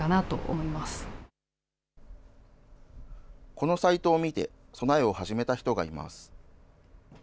このサイトを見て、備えを始めた人がいます。